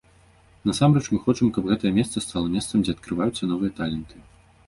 Насамрэч мы хочам, каб гэтае месца стала месцам, дзе адкрываюцца новыя таленты.